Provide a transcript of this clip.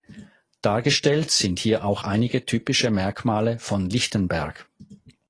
Dargestellt sind hier auch einige typische Merkmale von Lichtenberg.